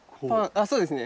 あそうですね。